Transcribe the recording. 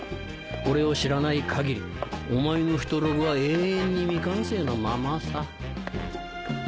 俺を知らない限りお前のヒトログは永遠に未完成のままさ。